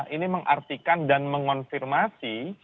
ini mengartikan dan mengonfirmasi